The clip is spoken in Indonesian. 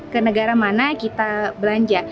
ke negara mana kita belanja